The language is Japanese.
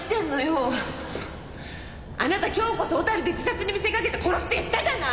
あなた今日こそ小樽で自殺に見せかけて殺すって言ったじゃない！